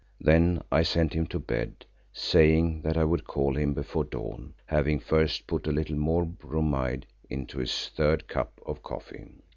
Then I sent him to bed, saying that I would call him before dawn, having first put a little more bromide into his third cup of coffee.